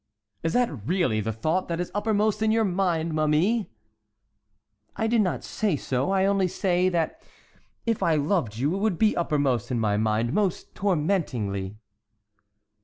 "Is that really the thought that is uppermost in your mind, ma mie?" "I did not say so. I only say, that if I loved you it would be uppermost in my mind most tormentingly."